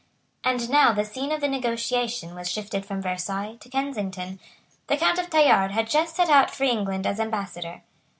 And now the scene of the negotiation was shifted from Versailles to Kensington. The Count of Tallard had just set out for England as Ambassador.